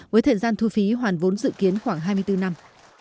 với thời gian thu phí hoàn vốn dự kiến khoảng hai mươi bốn năm